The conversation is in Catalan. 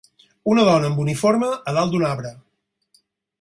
Una dona amb uniforme a dalt d'un arbre.